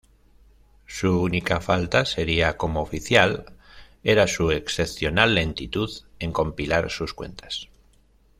Su única falta seria como oficial era su excepcional lentitud en compilar sus cuentas.